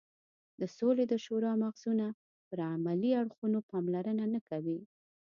د سولې د شورا مغزونه پر عملي اړخونو پاملرنه نه کوي.